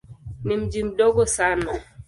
Ni mji mdogo sana.